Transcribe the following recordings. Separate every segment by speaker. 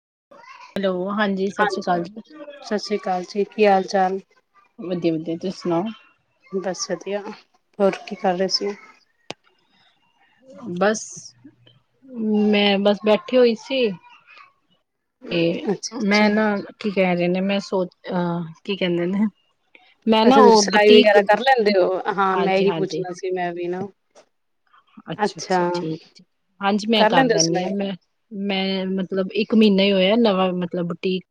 Speaker 1: [unintelligible] ਸਤਿ ਸ਼੍ਰੀ
Speaker 2: ਹਾਂਜੀ,
Speaker 1: ਅਕਾਲ ਜੀ
Speaker 2: ਸਤਿ ਸ੍ਰੀ ਅਕਾਲ ਜੀ, ਕੀ ਹਾਲ ਚਾਲ।
Speaker 1: ਹੋਰ ਸੁਣਾਉ।
Speaker 2: ਬਸ ਵਧੀਆ, ਹੋਰ ਕੀ ਕਰ ਰਹੇ ਸੀ।
Speaker 1: ਬਸ, ਮੈਂ ਬਸ ਬੈਠੀ ਹੋਈ ਸੀ। ਇਹ
Speaker 2: ਅੱਛਾ-ਅੱਛਾ,
Speaker 1: ਮੈਂ ਨਾ ਠੀਕ ਹੈ। ਨੇ ਮੈਂ ਸੋਚ ਅ ਕੀ ਕਹਿੰਦੇ ਨੇ। ਮੈਂ ਨਾ
Speaker 2: ਅੱਛਾ, ਤੁਸੀਂ
Speaker 1: ਉਹ
Speaker 2: ਸਿਲਾਈ
Speaker 1: ਬੁਟੀਕ
Speaker 2: ਵਗੈਰਾ ਕਰ ਲੈਂਦੇ ਹੋ, ਹਾਂ ਮੈਂ
Speaker 1: ਹਾਂਜੀ
Speaker 2: ਹੀ
Speaker 1: ਹਾਂਜੀ
Speaker 2: ਪੁੱਛਣਾ ਸੀ, ਮੈਂ ਵੀ ਨਾ।
Speaker 1: ਅੱਛਾ, ਅੱਛਾ ਠੀਕ ਹਾਂਜੀ ਮੈਂ ਕਰ
Speaker 2: ਲੈਂਦੇ ਹੋ
Speaker 1: ਲੈਂਦੀ ਹਾਂ,
Speaker 2: ਸਿਲਾਈ?
Speaker 1: ਮੈਂ ਮੈਂ ਮਤਲਬ ਇੱਕ ਮਹੀਨਾ ਹੀ ਹੋਇਆ ਨਵਾਂ ਮਤਲਬ ਬੁਟੀਕ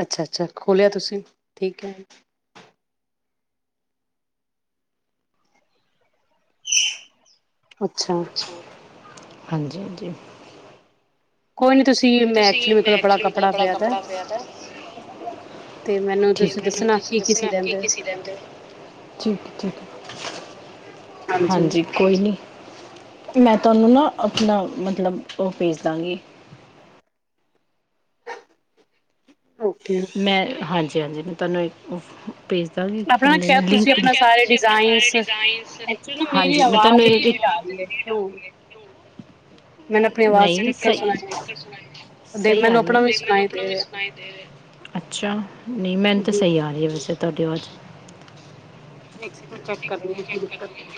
Speaker 2: ਅੱਛਾ, ਅੱਛਾ ਖੋਲ੍ਹਿਆ, ਤੁਸੀਂ ਠੀਕ ਹੈ। ਅੱਛਾ।
Speaker 1: ਹਾਂਜੀ, ਹਾਂਜੀ।
Speaker 2: ਕੋਈ ਨੀ ਤੁਸੀਂ ਮੈਂ
Speaker 1: ਤੁਸੀ
Speaker 2: ਮੇਰੇ ਕੋਲ
Speaker 1: ਐਕਚੁਲੀ ਮੇਰੇ ਕੋਲ ਬੜਾ ਕੱਪੜਾ ਪਿਆ ਦਾ,
Speaker 2: ਤੇ ਮੈਨੂੰ
Speaker 1: ਠੀਕ ਠੀਕ,
Speaker 2: ਤੁਸੀਂ
Speaker 1: ਮੈਨੂੰ
Speaker 2: ਦੱਸਣਾ
Speaker 1: ਤੁਸੀ
Speaker 2: ਕੀ-ਕੀ ਸੀ
Speaker 1: ਦੱਸਣਾ ਏ
Speaker 2: ਲੈਂਦੇ ਹੋ?
Speaker 1: ਕੀ ਸੀ ਲੈਂਦੇ ਹੋ, ਹਾਂਜੀ ਕੋਈ ਨੀ। ਮੈਂ ਤੁਹਾਨੂੰ ਨਾ ਆਪ ਨਾ ਮਤਲਬ ਉਹ ਭੇਜ ਦਾਗੀ।
Speaker 2: ਓਕੇ
Speaker 1: ਮੈਂ ਹਾਂਜੀ, ਹਾਂਜੀ। [unintelligible] ਕੀ ਕਹਿੰਦੇ ਨੇ
Speaker 2: ਆਪਣਾ
Speaker 1: ਲਿੰਕ
Speaker 2: ਤੁਸੀਂ ਆਪਣਾ ਸਾਰੇ ਡਿਜ਼
Speaker 1: ਸਾਰੇ
Speaker 2: ਡਿਜ਼ਾਈਨਸ,
Speaker 1: ਡਿਜ਼ਾਇਨਸ
Speaker 2: ਐਕਚੁਲੀ ਮੇਰੀ
Speaker 1: ਹਾਂਜੀ ਮੈਂ ਤੁਹਾਨੂੰ
Speaker 2: ਆਵਾਜ਼
Speaker 1: ਇਹ ਇੱਕ
Speaker 2: ਰਪੀਟ ਆ ਰਹੀ ਹੈ। ਮੈਨੂੰ ਆਪਣੀ ਆਵਾਜ਼
Speaker 1: ਨਹੀਂ
Speaker 2: ਸਪੀਕਰ
Speaker 1: ਸਹੀ, ਮੈਨੂੰ ਆਪਣੀ ਆਵਾਜ਼
Speaker 2: ਸੁਣਾਈ
Speaker 1: ਸਪੀਕਰ
Speaker 2: ਦੇਖ
Speaker 1: ਸੁਣਾਈ ਦੇ
Speaker 2: ਮੈਨੂੰ
Speaker 1: ਰਹੀ
Speaker 2: ਆਪਣਾ
Speaker 1: ਹੈ,
Speaker 2: ਵੀ
Speaker 1: ਮੈਨੂੰ
Speaker 2: ਸੁਣਾਈ ਦੇ
Speaker 1: ਆਪਣਾ ਹੀ
Speaker 2: ਰਿਹਾ।
Speaker 1: ਸੁਣਾਈ ਦੇ ਰਹਾ, ਅੱਛਾ ਨਹੀਂ ਮੈਨੂੰ ਤਾਂ ਸਹੀ ਆ ਰਹੀ ਵੈਸੇ ਤੁਹਾਡੀ ਆਵਾਜ਼।
Speaker 2: ਇੱਕ ਸਕਿੰਡ ਚੈੱਕ ਕਰਨੀ ਆ ਕੀ
Speaker 1: ਚੈੱਕ
Speaker 2: ਦਿੱਕਤ
Speaker 1: ਕਰੂੰਗੀ
Speaker 2: ਹੈ।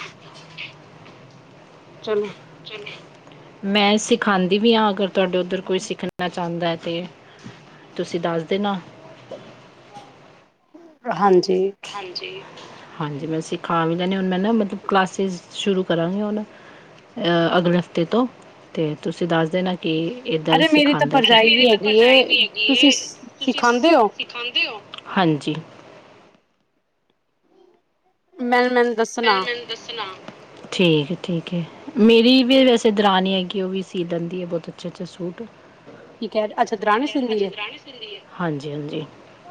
Speaker 2: ਚਲੋ।
Speaker 1: ਮੈਂ ਸਿਖਾਉਦੀ ਵੀ ਆਂ, ਅਗਰ ਤੁਹਾਡੇ ਉਧਰ ਕੋਈ ਸਿੱਖਣਾ ਚਾਹੁੰਦਾ ਹੈ ਤੇ। ਤੁਸੀਂ ਦੱਸ ਦੇ ਨਾ
Speaker 2: ਹਾਂਜੀ-
Speaker 1: ਹਾਂਜੀ- ਹਾਂਜੀ,, ਮੈਂ ਸਿਖਾ ਵੀ ਲੈਂਦੀ ਆਂ, ਹੁਣ ਮੈਂ ਨਾ ਮਤਲਬ ਕਲਾਸਿਸ ਸ਼ੁਰੂ ਕਰਾਂਗੀ ਹੁਣ ਅਗਲੇ ਹਫ਼ਤੇ ਤੋਂ, ਅਤੇ ਤੁਸੀਂ ਦੱਸ ਦੇ ਨਾ ਕਿ [inaudible]
Speaker 2: ਅਰੇ ਮੇਰੀ ਤਾਂ ਭਰਜਾਈ ਵੀ ਹੈਗੀ ਏ ਤੁਸੀਂ
Speaker 1: ਤੁਸੀਂ
Speaker 2: ਸਿਖਾਂਦੇ ਹੋ?
Speaker 1: ਸਿਖਾਉਂਦੇ ਹੋ ਹਾਂਜੀ
Speaker 2: ਮੈਂ
Speaker 1: ਫਿਰ ਮੈਨੂੰ ਦੱਸਣਾ ਠੀਕ ਹੈ, ਠੀਕ ਹੈ, ਮੇਰੀ ਵੀ ਵੈਸੇ ਦਰਾਨੀ ਹੈਗੀ ਔ ਵੀ ਸ ਸੀ ਲੈਂਦੀ ਆ ਬਹੁਤ ਅੱਛੇ ਅੱਛੇ ਸੂਟ
Speaker 2: ਕੀ ਕਹਿ ਅੱਛਾ ਦਰਾਣੀ ਸਿੰਦੀ ਏ।
Speaker 1: ਹਾਂਜੀ ਹਾਂਜੀ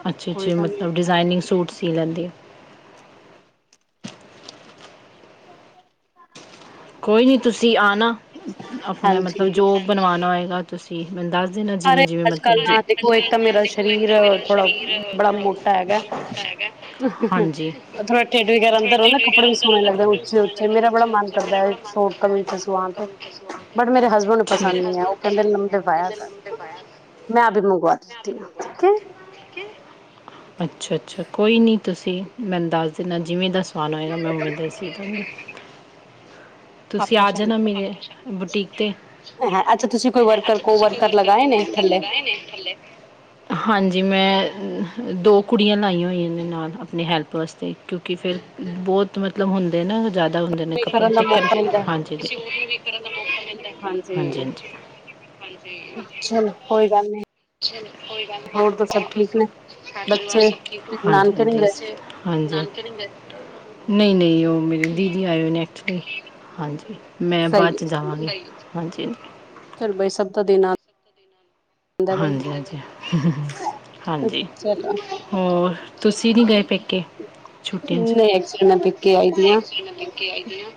Speaker 1: ਅੱਛੇ-
Speaker 2: ਕੋਈ
Speaker 1: ਅੱਛੇ,
Speaker 2: ਗੱਲ ਨੀ
Speaker 1: ਮਤਲਬ ਡਿਜ਼ਾਇਨਿੰਗ ਸੂਟ ਸੀ ਲੈਂਦੀ ਐ।
Speaker 2: [inaudible]
Speaker 1: ਕੋਈ ਨਹੀਂ ਤੁਸੀਂ ਆਉਣਾ ਆਪਣਾ ਮਤਲਬ
Speaker 2: ਹਾਂਜੀ।
Speaker 1: ਜੋ ਬਣਵਾਉਣਾ ਹੋਏਗਾ ਤੁਸੀਂ ਮੇਨੁ ਦਸ, ਦੇਨਾ ਜਿਨ੍ਹਾਂ
Speaker 2: ਅਰੇ
Speaker 1: ਜਿਵੇਂ-ਜਿਵੇਂ
Speaker 2: ਕੱਲ
Speaker 1: ਮਤਲਬ ਅੱਜ
Speaker 2: ਨਾ ਦੇਖੋ ਇੱਕ ਤਾਂ ਮੇਰਾ
Speaker 1: ਦੇੋ,
Speaker 2: ਸਰੀਰ
Speaker 1: ਤਾਂ ਮੇਰਾ
Speaker 2: ਥੋੜਾ
Speaker 1: ਸਰੀਰ
Speaker 2: ਬੜਾ
Speaker 1: ਥੋੜਾ
Speaker 2: ਮੋਟਾ ਹੈਗਾ।
Speaker 1: ਬੜਾ ਮੌਟਾ ਹੈਗਾ, ਹਾਂਜੀ
Speaker 2: ਥੋੜਾ ਢਿੱਡ ਵਗੈਰਾ ਅੰਦਰ ਹੋ ਨਾ ਕੱਪੜੇ ਵੀ ਸੋਹਣੇ
Speaker 1: ਵਰਾਦਾ
Speaker 2: ਲੱਗਦੇ
Speaker 1: ਕੱਪੜੇ ਵੀ
Speaker 2: ਉੱਚੇ
Speaker 1: ਸੋਹਨੇ
Speaker 2: ਉੱਚੇ
Speaker 1: ਲੱਗਦੇ
Speaker 2: ਮੇਰਾ ਬੜਾ
Speaker 1: ਉਚੇ
Speaker 2: ਮਨ
Speaker 1: ਉਚੇ
Speaker 2: ਕਰਦਾ ਐ, ਸ਼ੋਟ ਕਮੀਜਾ ਸੁਆਨ ਤੇ
Speaker 1: ਸਵਾਦ ਹੈ।
Speaker 2: ਬਟ ਮੇਰੇ ਹਸਬੈਂਡ ਨੂੰ ਪਸੰਦ ਨੀ ਹੈ ਉਹ ਕਹਿੰਦੇ ਲਮਬੇ ਪਾਇਆ ਕਰ
Speaker 1: ਮੈਂ ਅਭੀ ਮੁਗਵਾ ਦੇਤੀ ਹੁੰ, ਠੀਕ ਹੈ
Speaker 2: ਠੀਕ
Speaker 1: ਅੱਛਾ-ਅੱਛਾ, ਕੋਈ ਨੀ ਤੁਸੀਂ ਮੈਂਨੂ ਦੱਸ ਦੇਨਾ ਜਿਵੇਂ ਦੱਸ ਖਾਣਾ ਹੋਏਗਾ, ਮੈ ਔ ਦੇਸੀ
Speaker 2: ਹੈ
Speaker 1: ਤੁਸੀਂ
Speaker 2: ਆਪਾਂ
Speaker 1: ਆ ਜਾਣਾ
Speaker 2: ਸ਼ਾਮ
Speaker 1: ਮੇਰੇ ਬੁਟੀਕ ਤੇ,
Speaker 2: ਹੈ ਅੱਛਾ ਤੁਸੀਂ ਕੋਈ ਵਰਕਰ ਕੋ ਵਰਕਰ ਲਗਾਏ ਨੇ ਥੱਲੇ
Speaker 1: ਹਾਂਜੀ, ਮੈਂ ਦੋ ਕੁੜੀਆਂ ਲਾਈਆਂ ਹੋਈਆਂ ਨੇ ਨਾਲ, ਆਪਣੀ ਹੈਲਪ ਵਾਸਤੇ, ਕਿਉਂਕਿ ਫਿਰ ਬਹੁਤ ਮਤਲਬ ਹੁੰਦੇ ਨਾ ਜ਼ਿਆਦਾ ਹੁੰਦੇ ਨੇ
Speaker 2: ਕੋਈ
Speaker 1: ਕਪਲ
Speaker 2: ਕਰਨ ਦਾ
Speaker 1: ਤੇ ਕੱਲ
Speaker 2: ਮੌਕਾ ਮਿਲਦਾ,
Speaker 1: ਹਾਂਜੀ ਕਿਸੇ ਹੋਰ ਨੂੰ ਵੀ ਕਰਨ ਦਾ ਮੌਕਾ ਮਿਲਦਾ ਹੈ।
Speaker 2: ਹਾਂਜੀ ਚਲੋ ਕੋਈ ਗੱਲ ਨੀ ਹੋਰ ਤਾਂ ਸਭ ਠੀਕ ਨੇ
Speaker 1: [inaudible]
Speaker 2: ਬੱਚੇ ਨਾਨਕੇ ਨਹੀਂ ਗਏ
Speaker 1: ਹਾਂਜੀ-ਹਾਂਜੀ-ਹਾਂਜੀ ਨਹੀਂ-ਨਹੀਂ ਮੇਰੇ ਦੀਦੀ ਆਏ ਹੋਏ ਨੇ ਐਕਚਤੁੱਲੀ ਹਾਂਜੀ ਮੈਂ ਬਾਅਦ 'ਚ ਜਾਵਾਂਗੀ, ਹਾਂਜੀ
Speaker 2: ਚੱਲ ਬਾਈ ਸਭ ਤਾਂ ਦੇਣਾ
Speaker 1: ਹਾਂਜੀ-ਹਾਂਜੀ ਹ ਹਾਂਜੀ,
Speaker 2: ਚਲੋ
Speaker 1: ਹੋਰ ਤੁਸੀਂ ਨੀ ਗਏ ਪੇਕੇ, ਛਟੀਆਂ ਚ
Speaker 2: ਨਹੀਂ ਐਕਚੁਲੀ ਮੈਂ ਪੇਕੇ ਆਈ ਦੀ ਆ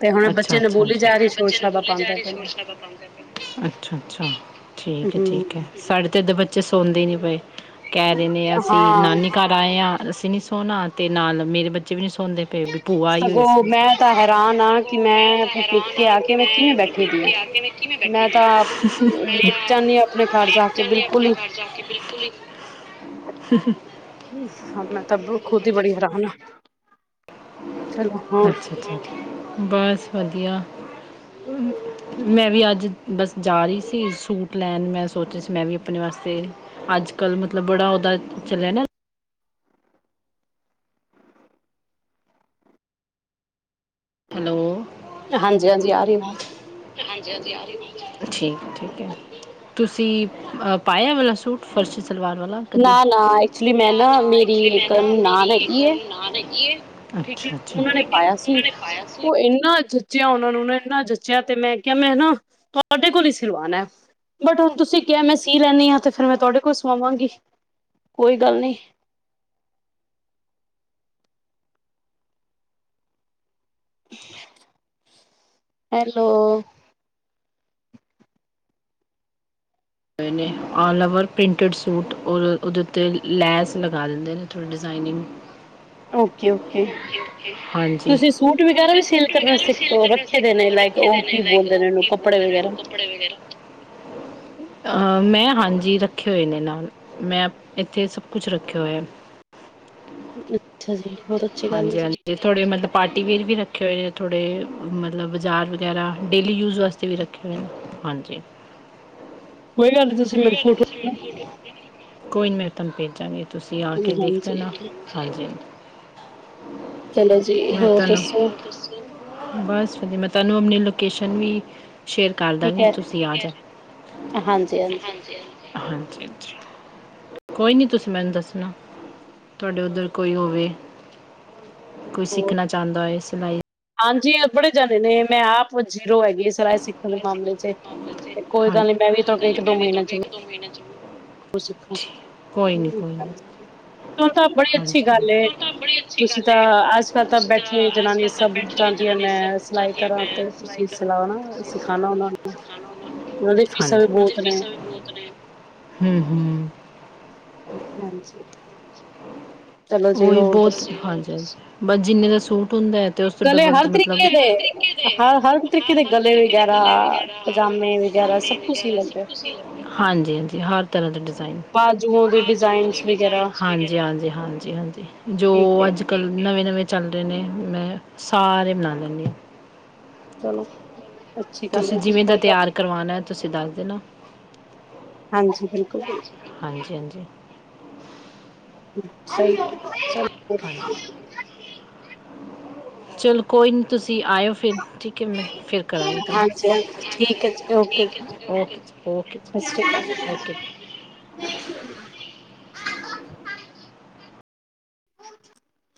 Speaker 2: ਤੇ ਹੁਣ ਬੱਚੇ ਨੇ ਬੋਲੀ
Speaker 1: ਅਛਾ-ਅਛਾ
Speaker 2: ਜਾ ਰਹੀ ਸ਼ੋਰ ਸ਼ਰਾਬਾ ਪਾਉਂਦੇ ਪਏ ਨੇ
Speaker 1: ਠੀਕ ਹੈ-ਠੀਕ ਹੈ
Speaker 2: ਹਮ
Speaker 1: ਸਾਡੇ ਤੇ ਇਦੇ, ਬੱਚੇ ਸੌਦੇ ਹੀ ਨੀ ਪਏ ਕਹਿ ਦਿੰਦੇ ਹ ਅਸੀਂ
Speaker 2: ਹਾਂ
Speaker 1: ਨਾਨੀ ਘਰ ਆਏ ਹਾਂ ਅਸੀਂ ਨੀ ਸੋਹਣਾ ਤੇ ਨਾਲ ਮੇਰੇ ਬੱਚੇ ਵੀ ਨੀ ਸ
Speaker 2: ਸਗੋਂ ਮੈਂ ਤਾਂ ਹੈਰਾਨ ਹਾਂ ਕਿ
Speaker 1: ਉਹ
Speaker 2: ਮੈਂ
Speaker 1: ਤਾਂ
Speaker 2: ਆਪਣੇ
Speaker 1: ਹੈਰਾਨ
Speaker 2: ਪੇਕੇ ਆ
Speaker 1: ਕਿ
Speaker 2: ਕੇ ਮੈਂ ਕਿਵੇਂ
Speaker 1: ਆਪਣੇ
Speaker 2: ਬੈਠੀ ਦੀ ਆ
Speaker 1: ਪੇਕੇ ਕੇ ਮੈਂ ਕਿਵੇਂ ਬੈਠੀ
Speaker 2: ਮੈਂ
Speaker 1: ਦੀ
Speaker 2: ਤਾਂ ਲੇਟ ਜਾਂਦੀ ਹਾਂ ਆਪਣੇ ਘਰ ਜਾ ਕੇ
Speaker 1: ਜਾਂਦੇ ਹ
Speaker 2: ਬਿਲਕੁਲ
Speaker 1: ਆਪਣੇ
Speaker 2: ਹੀ
Speaker 1: ਘਰ ਜਾ ਕੇ ਬਿਲਕੁਲ ਹੀ
Speaker 2: ਹ ਹਾਂ ਮੈਂ ਤਾ ਖੁਦ ਹੀ ਬੜੀ ਹੈਰਾਨ ਆ ਚਲੋ ਹੋਰ
Speaker 1: ਅੱਛਾ ਅੱਛਾ ਬਸ ਵਧੀਆ ਮੈਂ ਵੀ ਅੱਜ ਬਸ ਜਾ ਰਹੀ ਸੀ ਸੂਟ ਲੈਣ ਮੈਂ ਸੋਚ ਰਹੀ ਸੀ ਮੈਂ ਵੀ ਆਪਣੇ ਵਾਸਤੇ ਅੱਜ ਕੱਲ੍ਹ ਮਤਲਬ ਬੜਾ ਉਹਦਾ ਚੱਲਿਆ ਨਾ ਹੈਲੋ
Speaker 2: ਹਾਂਜੀ ਹਾਂਜੀ ਆ ਰਹੀਵਾਜ਼
Speaker 1: ਠੀਕ ਠੀਕ ਹੈ ਤੁਸੀਂ ਪਾਇਆ ਇਹ ਵਾਲਾ ਸੂਟ ਫਰਸੀ ਸਲਵਾਰ ਵਾਲਾ ਕਦੀ
Speaker 2: ਨਾ ਨਾ ਐਕਚੁਲੀ ਮੈਂ
Speaker 1: ਨਾ ਨਾ
Speaker 2: ਮੇਰੀ
Speaker 1: ਐਚੁਲੀ ਮੈਂ
Speaker 2: ਇੱਕ
Speaker 1: ਨਾ ਮੇਰੀ
Speaker 2: ਨਾਨ
Speaker 1: ਇੱਕ
Speaker 2: ਹੈਗੀ ਹੈ
Speaker 1: ਨਨਾਨ ਹੈਗੀ ਐ
Speaker 2: ਠੀਕ ਹੈ ਉਹਨਾਂ ਨੇ ਪਾਇਆ ਸੀ
Speaker 1: ਸੀ।
Speaker 2: ਉਹ ਇਹਨਾਂ ਜੱਚਿਆਂ ਉਹ ਉਹਨੂੰ ਨਾ ਇੰਨਾ ਜਚਿਆ ਤੇ ਮੈਂ ਕਿਹਾ ਮੈ ਨਾ ਤੁਹਾਡੇ ਕੋਲ ਹੀ ਸਿਲਵਾਣਾ ਹੈ ਬਟ ਹੁਣ ਤੁਸੀਂ ਕਿਹਾ ਮੈਂ ਸੀ ਲੈਂਦੀ ਹਾਂ ਤੇ ਫੇਰ ਮੈਂ ਤੁਹਾਡੇ ਕੋਲ ਸਵਾਵਾਂਗੀ ਕੋਈ ਗੱਲ ਨੀ ਹੈਲੋ
Speaker 1: ਹੋਏ ਨੇ ਆਲ ਓਵਰ ਪ੍ਰਿੰਟਡ ਸੂਟ ਔਰ ਉਹਦੇ ਉੱਤੇ ਲੈਸ ਲਗਾ ਦਿੰਦੇ ਨੇ ਥੋੜ੍ਹੀ ਡਿਜ਼ਾਇਨਿੰਗ
Speaker 2: ਓਕੇ ਓਕੇ
Speaker 1: ਓਕੇ ਹਾਂਜੀ
Speaker 2: ਤੁਸੀਂ ਸੂਟ ਵਗੈਰਾ
Speaker 1: ਤੁਸੀ
Speaker 2: ਵੀ ਸੇਲ
Speaker 1: ਸੂਟ
Speaker 2: ਕਰਨਾ
Speaker 1: ਵਗੈਰਾ ਵੀ
Speaker 2: ਸਿੱਖ
Speaker 1: ਸਿਲ
Speaker 2: ਰੱਖੇ ਦੇ ਨੇ ਲਾਈਕ
Speaker 1: ਰੱਖੇ
Speaker 2: ਉਹ
Speaker 1: ਦੇ ਨੇ
Speaker 2: ਕੀ ਬੋਲਦੇ ਨੇ ਉਹਨੂੰ
Speaker 1: ਕੀ
Speaker 2: ਕੱਪੜੇ
Speaker 1: ਬੋਲਦੇ ਨੇ
Speaker 2: ਵਗੈਰਾ
Speaker 1: ਕੱਪੜੇ ਵਗੈਰਾ ਮੈਂ ਹਾਂਜੀ ਰੱਖੇ ਹੋਏ ਨੇ ਨਾਲ ਮੈਂ ਇੱਥੇ ਸਭ ਕੁਛ ਰੱਖਿਆ ਹੋਇਆ
Speaker 2: ਅੱਛਾ ਜੀ ਬਹੁਤ ਅੱਛੀ ਗੱਲ ਹੈ
Speaker 1: ਹਾਂਜੀ
Speaker 2: ਜੀ
Speaker 1: ਹਾਂਜੀ ਥੋੜੇ ਮਤਲਬ ਪਾਰਟੀਵੇੇਅਰ ਵੀ ਰੱਖੇ ਹੋਏ ਨੇ ਥੋੜ੍ਹੇ ਮਤਲਬ ਬਾਜ਼ਾਰ ਵਗੈਰਾ ਡੇਲੀ ਯੂਜ ਵਾਸਤੇ ਵੀ ਰੱਖੇ ਹੋਏ ਨੇ ਹਾਂਜੀ
Speaker 2: ਕੋਈ ਗੱਲ ਨੀ ਤੁਸੀਂ ਮੈਨੂੰ ਫੋਟੋ
Speaker 1: ਕੋਈ ਨੀ ਮੈਂ ਤੁਹਾਨੂੰ ਭੇਜਾਂਗੇ ਤੁਸੀਂ ਆ ਕੇ ਦੇਖ
Speaker 2: ਹਾਂਜੀ
Speaker 1: ਲੈਣਾ ਹਾਂਜੀ
Speaker 2: ਚਲੋ ਜੀ
Speaker 1: ਮੈਂ
Speaker 2: ਹੋਰ
Speaker 1: ਤੇਨੂੰ
Speaker 2: ਦੱਸੋ
Speaker 1: ਬਸ ਵੀ ਮੈਂ ਤੇਨੂੰ ਅਪਣੀ ਲੋਕੇਸ਼ਨ ਵੀ ਸ਼ੇਅਰ
Speaker 2: ਕੀ
Speaker 1: ਕਰਦਾਗੀ
Speaker 2: ਕਹਿ
Speaker 1: ਤੁਸੀਂ ਆ ਜੋ
Speaker 2: ਰਹੇ ਹਾਂਜੀ
Speaker 1: ਹਾਂਜੀ ਹਾਂਜੀ ਹਾਂਜੀ ਕੋਈ ਨੀ ਤੁਸੀਂ ਮੈਨੂੰ ਦੱਸਣਾ ਤੁਹਾਡੇ ਉਧਰ ਕੋਈ ਹੋਵੇ ਕੋਈ
Speaker 2: ਹੋਰ
Speaker 1: ਸਿੱਖਣਾ ਚਾਹੁੰਦਾ ਹੋਏ ਬਾਏ
Speaker 2: ਹਾਂਜੀ ਐ ਬੜੇ ਜਾਂਦੇ ਨੇ ਮੈਂ ਆਪ ਜੀਰੋ ਹੈਗੀ ਸਿਲਾਈ ਸਿੱਖਣ ਦੇ ਮਾਮਲੇ ਚ ਤੇ ਕੋਈ
Speaker 1: ਹਾਂਜੀ
Speaker 2: ਗੱਲ ਨੀ
Speaker 1: ਕੋਈ ਨੀ ਗੱਲ ਮੈਂ ਵੀ ਇੱਕ ਦੋ ਮਹੀਨੇ ਚ
Speaker 2: ਉਹ ਸਿੱਖਾਂ
Speaker 1: ਨਹੀਂ ਕੋਈ ਨਹੀਂ
Speaker 2: ਤਾਂ ਬੜੀ
Speaker 1: ਹਾਂਜੀ
Speaker 2: ਅੱਛੀ ਗੱਲ ਤੁਸੀਂ ਤਾਂ ਅੱਜ ਕੱਲ ਤਾਂ ਬੈਠੀਆਂ ਜਨਾਨੀਆਂ ਸਭ ਚਾਹੁੰਦੀ ਆ ਮੈਂ ਸਿਲਾਈ ਕਰਾਂ ਤੇ ਤੁਸੀਂ ਸਿਲਾਣਾ ਸਿਖਾਣਾ ਉਹਨਾਂ ਨੂੰ ਉਹਨਾਂ ਦੀ ਫੀਸਾਂ ਵੀ
Speaker 1: ਹਾਂਜੀ
Speaker 2: ਬਹੁਤ ਨੇ
Speaker 1: ਹਮ ਹਮ।
Speaker 2: ਹਾਂਜੀ। ਚਲੋ ਜੀ
Speaker 1: ਉਹੀ
Speaker 2: ਹੋਰ ਦੱਸ
Speaker 1: ਬਹੁਤ ਹਾਂਜੀ ਹਾਂਜੀ। ਬਸ ਜਿੰਨੇ ਦਾ ਸੂਟ ਹੁੰਦਾ ਹੈ ਤੇ ਉਸ ਤੋਂ
Speaker 2: ਗਲੇ
Speaker 1: ਡਬਲ
Speaker 2: ਹਰ
Speaker 1: ਤੇ ਮਤਲਬ
Speaker 2: ਤਰੀਕੇ ਦੇ
Speaker 1: ਹਰ ਕਿਤੇ
Speaker 2: ਹਰ ਹਰ ਤਰੀਕੇ ਦੇ ਗਲੇ
Speaker 1: ਕਿਤੇ
Speaker 2: ਵਗੈਰਾ ਪਜਾਮੇ ਵਗੈਰਾ ਸਬ
Speaker 1: ਪਜਾਮੇ
Speaker 2: ਕੁਛ ਸੀ ਲੈਂਦੇ ਔ
Speaker 1: ਤੁਸੀਂ ਹਾਂਜੀ ਹਾਂਜੀ ਹਰ ਤਰ੍ਹਾਂ ਦੇ ਡਿਜ਼ਾਈਨ
Speaker 2: ਬਾਜੂ ਦੇ
Speaker 1: ਬਾਜ
Speaker 2: ਡਿਜ਼ਾਇਨਸ ਵਗੈਰਾ?
Speaker 1: ਹਾਂਜੀ ਹਾਂਜੀ ਹਾਂਜੀ ਹਾਂਜੀ ਜੋ
Speaker 2: ਠੀਕ ਹੈ
Speaker 1: ਅੱਜ ਕੱਲ ਨਵੇਂ ਨਵੇਂ ਚੱਲ ਰਹੇ ਨੇ ਮੈਂ ਸਾਰੇ ਬਣਾ ਲੈਂਦੀ ਆ।
Speaker 2: ਚਲੋ। ਅੱਛੀ ਗੱਲ ਹੈ
Speaker 1: ਤੁਸੀਂ
Speaker 2: ਜੀ
Speaker 1: ਜਿਵੇਂ ਦਾ
Speaker 2: ਕੋਈ ਗੱਲ ਨੀ
Speaker 1: ਤਿਆਰ ਕਰਵਾਉਣਾ ਐ ਤੁਸੀਂ ਦੱਸ ਦੇਣਾ।
Speaker 2: ਹਾਂਜੀ ਬਿਲਕੁਲ
Speaker 1: ਹਾਂਜੀ ਹਾਂਜੀ।
Speaker 2: ਹਮ। ਸਹੀ ਸਹੀ
Speaker 1: ਹਾਂਜੀ
Speaker 2: ਹੈ।
Speaker 1: ਚਲੋ ਕੋਈ ਨੀ ਤੁਸੀਂ ਜੀ ਆਇਓ ਫਿਰ ਠੀਕ ਹੈ ਮੈਂ ਫਿਰ ਕਰਾਂਗੀ ਤੁਹਾਨੂੰ
Speaker 2: ਹਾਂਜੀ ਹਾਂਜੀ ਠੀਕ ਹੈ ਜੀ ਓਕੇ ਜੀ
Speaker 1: ਓਕੇ ਓਕੇ
Speaker 2: ਸਤਿ ਸ਼੍ਰੀ ਅਕਾਲ
Speaker 1: ਓਕੇ।
Speaker 2: [inaudible]